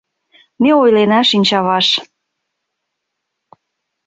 Ме ойлена шинчаваш.